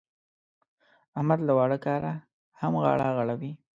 احمد له واړه کاره هم غاړه غړوي.